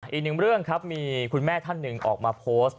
อีกหนึ่งเรื่องครับมีคุณแม่ท่านหนึ่งออกมาโพสต์